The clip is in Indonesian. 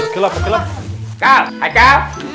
kelop kelop kal hai kal